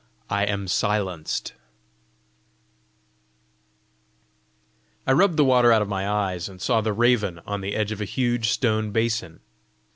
I AM SILENCED I rubbed the water out of my eyes, and saw the raven on the edge of a huge stone basin.